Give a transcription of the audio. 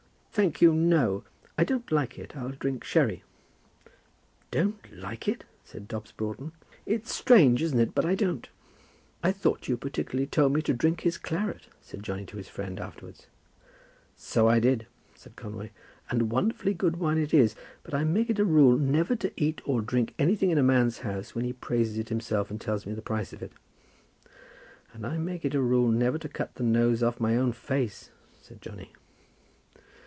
"Thank you, no; I don't like it. I'll drink sherry." "Don't like it!" said Dobbs Broughton. "It's strange, isn't it? but I don't." "I thought you particularly told me to drink his claret?" said Johnny to his friend afterwards. "So I did," said Conway; "and wonderfully good wine it is. But I make it a rule never to eat or drink anything in a man's house when he praises it himself and tells me the price of it." "And I make it a rule never to cut the nose off my own face," said Johnny.